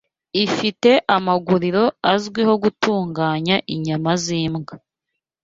ifite amaguriro azwiho gutunganya inyama z’imbwa